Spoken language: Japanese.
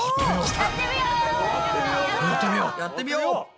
やってみよう！